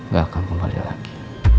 gak akan kembali lagi